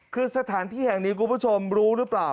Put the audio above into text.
คือสถานที่แห่งนี้คุณผู้ชมรู้หรือเปล่า